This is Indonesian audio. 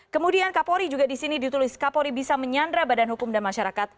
kemudian kapolri juga di sini ditulis kapolri bisa menyandra badan hukum dan masyarakat